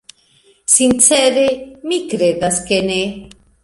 Sincere, mi kredas, ke ne.